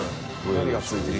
何が付いてる？